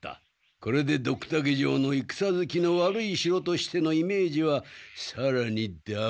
これでドクタケ城の戦ずきの悪い城としてのイメージはさらにダウンいやアップ。